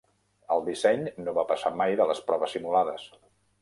El disseny no va passar mai de les proves simulades.